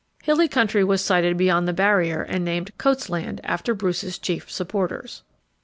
Hilly country was sighted beyond the barrier, and named "Coats Land," after Bruce's chief supporters.